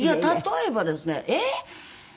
例えばですねえっ？